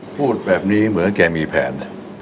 พูดแบบนี้เหมือนแกมีแผน